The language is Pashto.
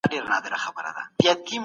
که اقتصاد ښه وي، خلګ خوشحاله وي.